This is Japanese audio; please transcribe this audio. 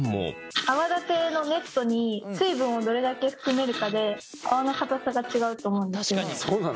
泡立てのネットに水分をどれだけ含めるかで泡の硬さが違うと思うんですけど。